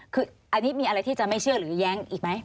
คืออันนี้มีอะไรที่จะไม่เชื่อหรือแย้งอีกไหม